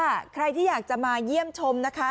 ใครที่อยากจะมาเยี่ยมชมนะคะ